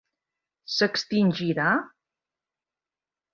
S'extingirà?